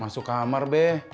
masuk kamar be